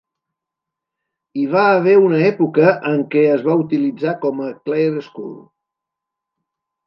Hi va haver una època en què es va utilitzar com a Clare School.